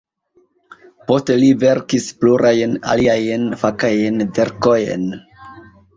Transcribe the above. Poste li verkis plurajn aliajn fakajn verkojn.